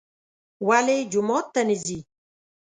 ولې جومات ته نه ځي.